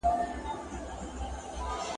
ستا به له سترگو دومره لرې شم چې حد يې نه وي